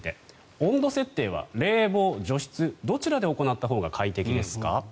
温度設定は冷房、除湿どちらで行ったほうが快適ですか？